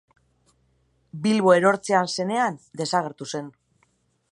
Bilbo erortzear zenean, desagertu zen.